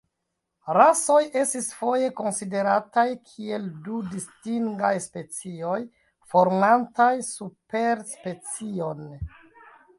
Rasoj estis foje konsiderataj kiel du distingaj specioj, formantaj superspecion.